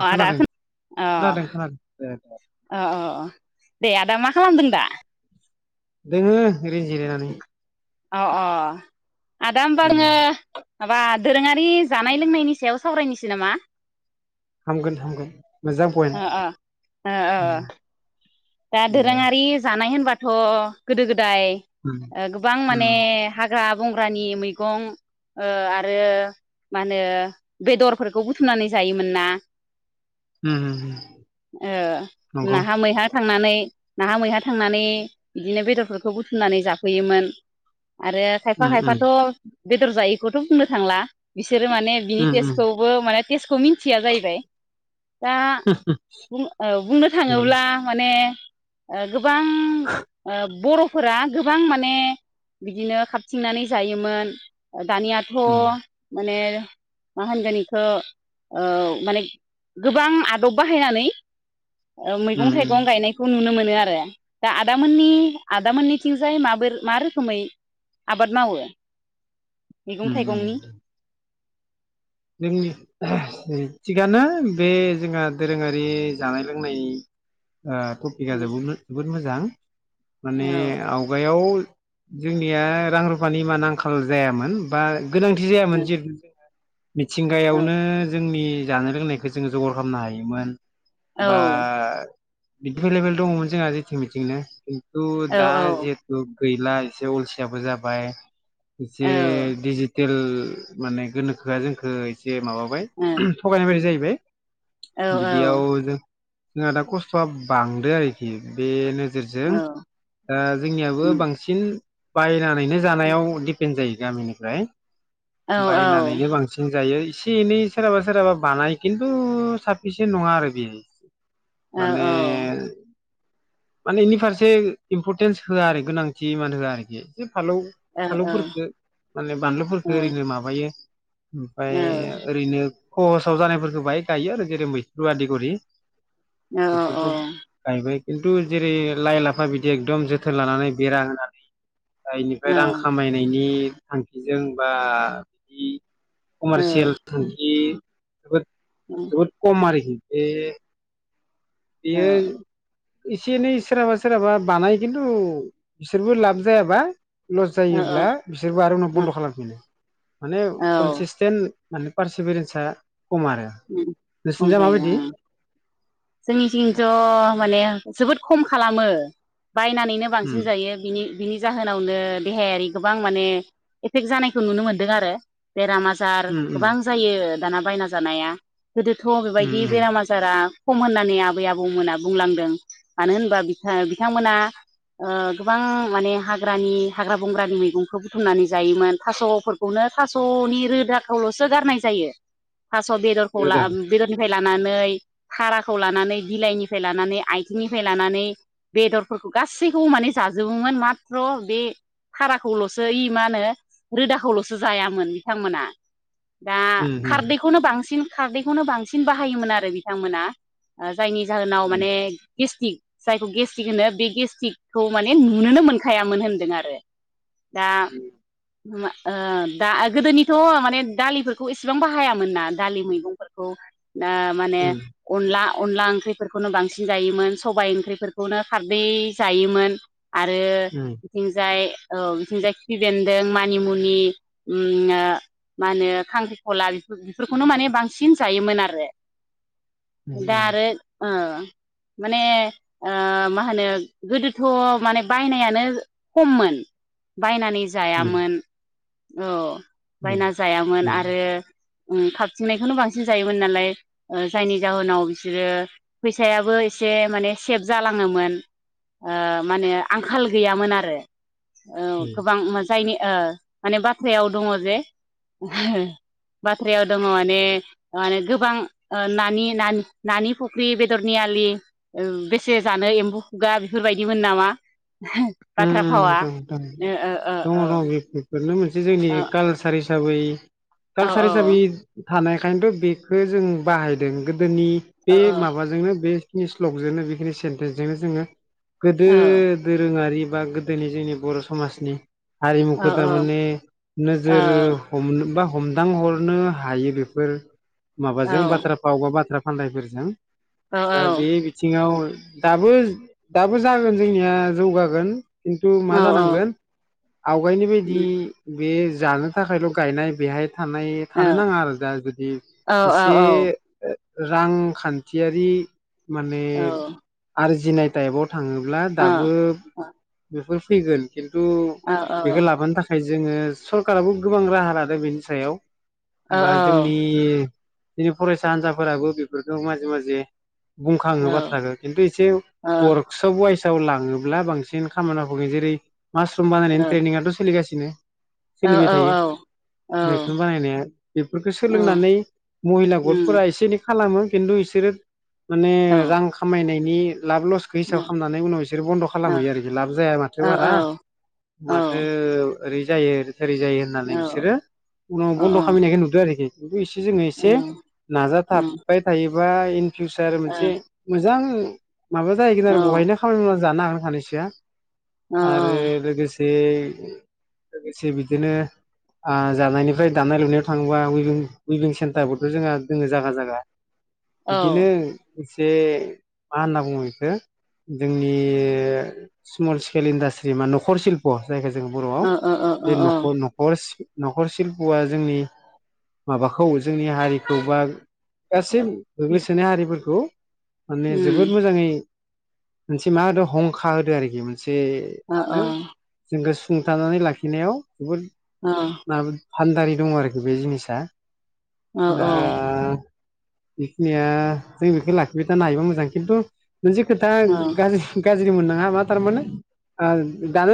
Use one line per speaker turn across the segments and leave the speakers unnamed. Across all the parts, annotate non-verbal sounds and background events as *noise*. अ आदा
खोनादों
अ
खोनादों खोनादों ए
अ अ दे आदा मा खालामदों दा
दोङो ओरैनो जिरायनानै
अ अ आदा
उम
होमबाङो माबा दोरोङारि जानाय लोंनायनि सायाव सावरायनोसै नामा
हामगोन हामगोन मोजां पइन्ट
ओ आ ओ ओ ओ
उम
दा
ए
दोरोङारि जा नाय होनबाथ' गोदो गोद थाय
उम
ओ गोबां
उम
माने हाग्रा बंग्रानि मैगं आरो मा होनो बेदरफोरखौ बुथुमनानै जायोमोन ना
उम उम उम
ओ
नंगौ
नाहा मैहा थांनानै नाहा मैहा थांनानै बिदिनो बेदरफोरखौ बुथुमनानै जाफैयोमोन आरो खायफा
उम उम
खायफाथ' बेदर जायैखौथ' बुंनो थांला बिसोरो माने बि
उम उम
टेसखौबो माने टेसखौ मिन मिथिया जाहैबाय दा औ बुंनो थाङोब्ला माने ओ गोबां ओ बर'फोरा गोबां माने बिदिनो खारथिंनानै जायोमोन दानियाथ'
उम
माने मा होनगोन इखौ माने गोबां आदब बाहायनानै ओ मैगं
उम
थाइगं बिफां
उम
गायनायखौ नुनो मोनो ओ आरो दा आदानि आदामोननिथिंजाय मोबोर मा रोखोमै आबाद मावो मैगं थाइगंनि
उम जोंनि थिगानो बे जोंहा दोरोङारि जानाय लोंनाय ओ टपिका जोबोमोन *inaudible* बि मोजां
औ
माने आवगायाव जोंनिया रां रुफानि माने आंखाल जायामोन बा गोनांथि जायामोन जे *inaudible*
औ
मिथिंगायावनो जोंनि बे जानाय लोंनायखौ जोङो जगार खालामनो हायोमोन
औ
बा बिदि एभेलेबेल दङमोन जोंहा जेथिं बिथिंनो थु
औ
दा जेहेथु गैला एसे अलसियाबो जाबाय जे *inaudible* गेल माने गोनो- होआ जोंखो जे माबाबाय थगायनाय बायदि जायो बे
औ
बिदियाव जो- जोंहा दा खस्थ'आ बांदो आरोखि बेनो जेरजों ओ जोंनियाबो बांसिन बायोना नो जानायाव दिपेन्ड जायो गामिनिफ्राय हाय
औ औ
जों जायो एसे एनै सोराबा सोरहाबा बानाय खिन्थु साफिसिन्ट नङा आरो बियो माने माने इनि फारसे इम्परटेन्स होआ आरो गोनांथि इमान होआ आरोखि फालौ फालौफोरखो माने बानलुफोरखो ओरैनो माबायो। ओमफ्राय ओरैनो खहसाव जानायफोरखौ बाहाय गायो आरो जेरै मैथ्रु आदि गरि बेफोरखौ गायबाय खिन्थु जेरै लाइ, लाफा बिदि एखदम जोथोन लानानै बेरा होनानै दा इनिफ्राय रां खामायनायनि थांखिजों बा बिदि
औ
कमारसियेल *unintelligible* जोबोद जोबोद खम आरो खि ए बियो एसे एनै सोरहाबा सोरहाबा बानाय खिन्थु बिसोरबो लाब जायाबा लस जायोब्ला बिसोरबो आरो उनाव बन्द' खालामफिनो। माने
औ
कनसिसटेन माने पारसि बिरिनसा खम आरो नोंसिनिजा मा बायदि?
जोंनि जिं ज' माने जोबोद खम खालामो बायनानैनो बांसिन
उम
जायो बिनि बिनि जाहोनावनो देहायारि गोबां माने एफेक्ट जानायखौ नुनो मोनदों आरो बेराम आजार
उम उम
गोबां जायो दाना बायना जानाया गोदोथ'
उम
बेबायदि
उम
बेराम आजारा खम होननानै आबै आबौमोना बुंलांदों मानो होनबा बिथां बिथांमोना ओ गोबां माने हाग्रानि हाग्रा बंग्रानि मैगंखौ बुथुमनानै जायोमोन थास'फोरखौनो थास'नि रोदाखौल'सो गारनाय जायो थास' बेदरखौ ला
रोदा
बेदरनि बेनिफाय लानानै हाराखौ लानानै बिलाइनिफ्राय लानानै आइथिंनिफ्राय लानानै बेदरफोरखौ गासैखौबो माने जाजोबोमोन माथ्र' बे हाराखौल'सो ओइ मा होनो रोदाखौल'सो जायामोन बिथांमोना दा
उम उम
खारदैखौनो बांसिन खारदैखौनो बांसिन बाहायोमोन आरो बिथांमोना ओ जायनि जाहोनाव
उम
माने गेस्टिक जायखौ गेस्टक होनो बे गेस्टिकखौ माने नुनोनो मोनखायामोन होनदों आरो दा ओ दा गोदोनिथ' माने दालिफोरखौ एसेबां बाहायामोन ना दालि मैगंफोरखौ दा माने
उम
अनला अनला ओंख्रिफोरखौनो बांसिन जायोमोन सबाय ओंख्रिफोरखौनो खारदै जायोमोन आरो
उम उम
बिथिंजाय औ बिथिंजाय खिफि बेन्दों मानिमुनि उम ओ मा होनो खांख्रिखला बेफो बेफोरखौनो माने बांसिन जायोमोन आरो
उम
दा आरो ओ माने ओ मा होनो गोदोथ' माने बायनायानो खममोन बायनानै जायामोन औ बायना जायामोन
उम
आरो उम खाबथिंनायखौनो बांसिन जायोमोन नालाय ओ जायनि जाहोनाव बिसोरो फैसायाबो एसे माने सेफ जालाङोमोन ओ माने आंखाल गैयामोन आरो औ
उम
गोबां मा जायनि ओ माने बाथ्रायाव दङ जे बाथ्रायाव दङ माने माने गोबां ओ नानि नानि नानि फुख्रि बेदरनि आलि ओ बेसे जानो एम्बौ खुगा बेफोरबायदिमोन नामा बाथ्रा
उम
भावा
उम
ओ ओ
नोंथां *unintelligible* जोंनि
औ
कालसार हिसाबै
औ
कालसार हिसाबै थानाय खायनोथ' बेखौ जों बाहायदों गोदोनि बे
औ औ
माबाजोंनो बे फेस्लकजोंनो बेखिनि सेन्टेन्सजोंनो जोङो गोदो दोरोङारि बा गोदोनि जोंनि बर' समाजनि
औ
हारिमुखौ
औ
थारमाने नोजोर
औ
हमनो बा हमदांहरनो हायो बेफोर
औ
माबाजों बाथ्रा फाव बा बाथ्रा फान्दायफोरजों दा बे बिथिङाव दाबो दाबो जागोन जोंनिया जौगागोन खिन्थु मा जानांगोन आवगायनि बादि बे जानो थाखायल' गायनाय बेहाय थानाय थानो नाङा आरो दा जुदि
औ
एसे ओ रांखान्थियारि माने आरो जिनाय टाइबर थाङोब्ला दाबो बेफोर फैगोन खिन्थु बेखौ लाबोनो थाखाय जोङो सरकाराबो गोबां राहा लादो बेनि सायाव होनबा जोंनि दिनो फरायसा हान्जाफोराबो बेफोरखौ माजे माजे बुंखाङो बाथ्राखो खिन्थु एसे वार्कशप वाइस जाव लाङोब्ला बांसिन बिदिनो खामानि *unintelligible* जेरै मास्रुम बानायनायनि ट्रेनिंयाथ सोलिगासिनो दिनो सोलिबाय थायो मैखुन बानायनाया बेफोरखौ सोलोंनानै महिला गथफोरा एसे एनै खालामो खिनथु इसोरो माने रां खामायनाय बि लाब लसखो हिसाब खामनानै उनाव इसोर बन्द
औ
खालामहैयो आरो जाया माथो बारा माथो ओरै जायो सारि जायो होननानै बिसोरो उनाव बन्द खालामामनायखौ नुदो आरोखि खिन्थु एसे जोङो एसे नाजाथाबाय थायो बा इन फिउचार मोनसे मोजां माबा जाहैगोन आरो बहायनो खामानि मावनानै जानो गो सानैसो आरो लोगोसे बे लोगोसे बिदिनो आ जानायनिफ्राय दानाय लुनायाव थाङोबा उइभिं उइभिं सेन्टारबोथ' जोंहा दोङो जागा जागा। बिदिनो एसे मा होनना बुङो बेखौ जोंनि स्मल स्केल इन्डास्ट्रि मा न'खर सिल्प जायखौ जोङो बर'आव बे नखर नखर न'खर सिल्पुआ जोंनि माबाखौ जोंनि हारिखौ बा गासै गोग्लैसोनाय हारिफोरखौ माने जोबोद मोजाङै मोनसे मा होदों हंखा होदो आरोखि *unintelligible* से मा होनो जों फुंथानानै लाखिनायाव जोबोद माबोर फान्दारि दङ आरोखि बे जिनिसा दा बेखिनिया जों बेखौ लाखिबाय थानो हायोबा मोजां खिन्थु मोनसे खोथा गाज्रि गाज्रि मोननाङा माथ थार माने ओ‌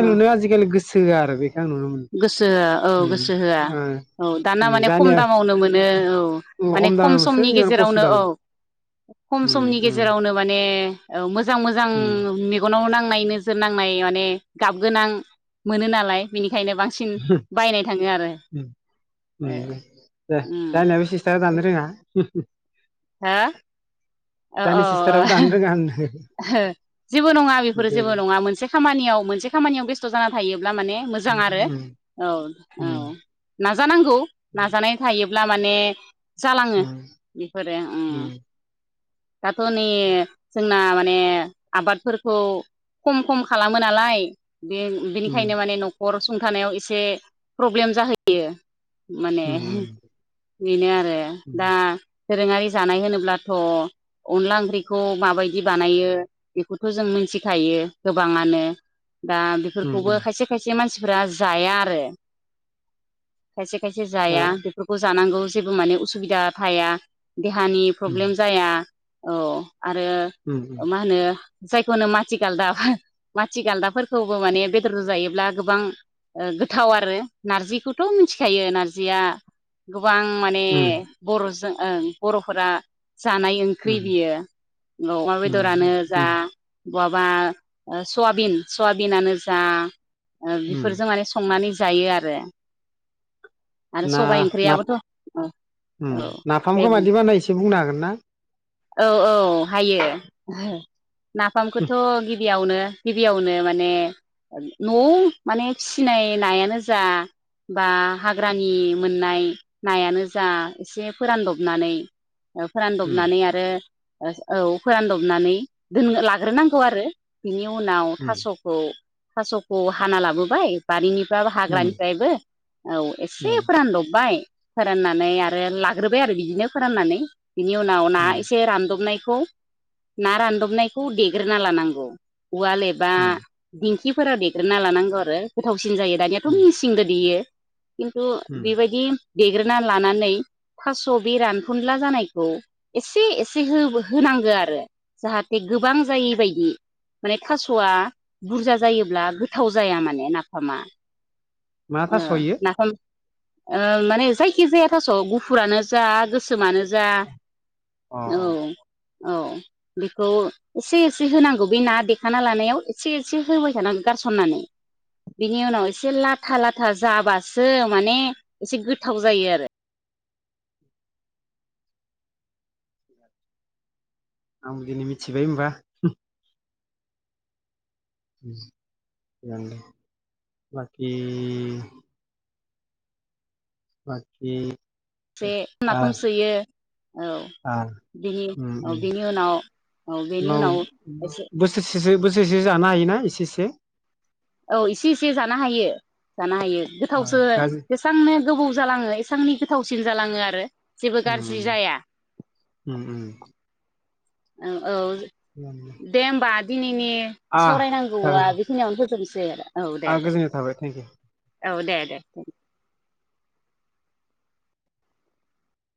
औ औ
लुनाय आजिखालि सो आरो बे
गोसो होआ औ गोसो होआ
ओ
औ दाना
उम
माने खम
जानिया
दामावनो मोनो ने औ औ माने खम
दामावसो
समनि
इमान खस्थ'
गेजेरावनो औ
दाबाय
खम
उम
समनि
उम
गेजेरावनो माने औ मोज मोजां मोजां
उम
मेगनाव ना नाय नोजोर नांनाय माने गाब गोनां मोनो नालाय बिनि
उम
ओ
ओम जा
उम
जानायाबो सिस्टाराव दानो रोङा *unintelligible*
हा
जानि सिस्टाराबो दानो रोङा होनदो
ओहो जेबो नङा बेफोरो जेबो नङा मोनसे खामानियाव मोनसे खामानियाव बेस्थ' जाना थायो माने मोजां
उम
आरो
उम
औ औ
उम
नाजानां खौ नाजानाय था ब्ला माने जालाङो बेफोरो ओ
उम
*unintelligible* ना माने आबादफोरखौ खम खम खालामो नालाय बे
उम
बिनिखायनो माने न'खर सुंथानायाव एसे प्रब्लेम जाहैयो माने
उम
बेनो आरो दा दोरोङारि जानाय होनोब्लाथ' अनला ओंख्रिखौ माबायदि बिदि बानायो बेखौथ' जों मिथिखायो गोबाङानो दा
उम
बेफोरखौबो खायसे खायसे मान फोरा जाया आरो खायसे खायसे जाया बेफोरखौ जानांगौ जेबो माने उसुबिदा थाया देहानि प्रब्लेम जाया औ आरो अ मा होनो जायखौ होनो माथि गालदा माथि गालदाफोरखौबो माने बेदरजो जायोब्ला गोबां गोथाव आरो नार्जिखौथ' मिथिखायो नार्जिया गोबां माने
उम उम
बर'जों ओं बर'फोरा जानाय ओंख्रि
उम
बियो अमा
उम
बेदरानो जा
उम
बआबा ओ सआबिन सयाबिनानो जा ओ
उम
बिफोरजों माने संनानै जायो आरो आरो
ना
सबाइ
ना
ओंख्रियाबोथ' औ
उम
औ दे
नाफामखौ
बुं
माबादि बानोनाय एसे बुंनो हागोन ना?
औ औ हायो नाफामखौथ' गि गिबियावनो गिबियावनो माने न' माने फिसिनाय नायानो जा बा हाग्रानि मोननाय नायानो जा एसे फोरानदबनानै ओ
उम
फोरानदबनानै आरो ओहो औ फोरानदबनानै दोन लाग्रोनांगौ आरो बिनि उनाव
उम
थास'खौ थास'खौ हाना लाबोबाय बारिनि बाबो
उम
हाग्रानिफ्रायबो औ एसे
उम
फोरानदबबाय फोराननानै आरो लाग्रोबाय आरो बिदिनो फोराननानै बिनि उनाव ना
उम
एसे रानदबनाय बेखौ ना रानदबनायखौ देग्रोना लानांगौ उवाल एबा
उम
दिं खिफोराव देग्रोना लानांगौ आरो गोथाव सिन जायो दानियाथ'
उम
मिसिंदो देयो। खिन्थु
उम
बेबायदि देग्रोना लानानै फास' बे रानफुनला जानायखौ एसे एसे होबो होनांगो आरो जाहाथे गोबां जायै बायदि माने थास'आ बुरजा जायोब्ला गोथाव जाया माने नाफामा।
मा
ओ
थास' इयो?
नाफाम ओ माने जायखिजाया थास' गुफुरानो जा गोसोमानो जा
अ
औ औ बिखौ इसे इसे होनांगौ बि ना देखाना लानायाव एसे एसे होबाय थानानै गारसननानै बिनि उनाव एसे लाथा लाथा जाबासो माने एसे गोथाव जायो आरो।
आं दिनै मिथिबाय होनबा *unintelligible* बाखि बाखि
जे
आ
नाफाम सोयो औ
आ
बिनि
उम
औ
उम
बिनि उनाव औ बिनि उनाव एसे
बोसोरसे बोसोरसे जानो हायोना एसे एसे
औ इसे इसे जानो हायो जानो हायो
ओ
गोथावसो
गाज्रि
जेसांनो गोबाव जालाङो एसांनि गोथावसिन जालाङो आरो जेबो
उम
गाज्रि जाया
उ-उम
ओ औ दे ओमबा दिनैनि
आ
सावरायनांगौआ
जागोन दे
बिखिनियावनो फोजोबन्स जेरा
आ गोजोननाय थाबाय थेंक इउ
औ दे दे